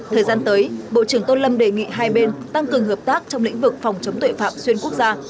thời gian tới bộ trưởng tôn lâm đề nghị hai bên tăng cường hợp tác trong lĩnh vực phòng chống tội phạm xuyên quốc gia